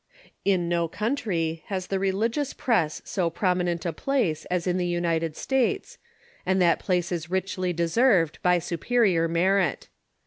In no country has the religious press so prominent a place as in the United States, and that place is richly deserved by superior merit.